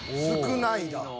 少ないだ。